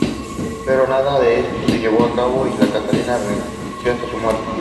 Pero nada de esto se llevó a cabo, y Catalina reinó hasta su muerte.